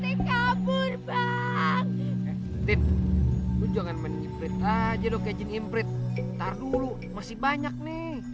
kita kabur bang eh tin lu jangan main imprit aja lu kaya jin imprit ntar dulu masih banyak nih